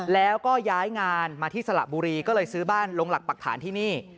แล้วก็ย้ายงานมาที่สระบุรีก็เลยซื้อบ้านลงหลักปรักฐานที่นี่